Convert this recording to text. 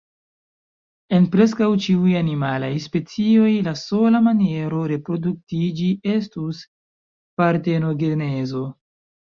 En preskaŭ ĉiuj animalaj specioj, la sola maniero reproduktiĝi estus partenogenezo!